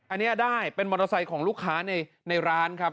อันนี้ได้เป็นมอเตอร์ไซค์ของลูกค้าในร้านครับ